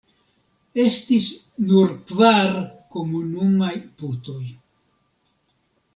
Estis nur kvar komunumaj putoj.